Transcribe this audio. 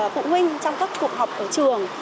phụ huynh trong các cuộc họp của trường